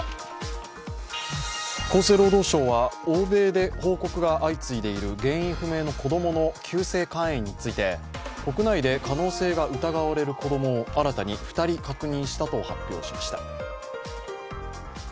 厚生労働省は欧米で報告が相次いでいる原因不明の子供の急性肝炎について国内で可能性が疑われる子供を新たに２人確認したと発表しました。